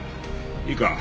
いいか！